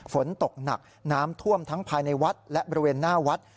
ฝนตกหนักน้ำท่วมทั้งภายในวัดและบริเวณหน้าวัด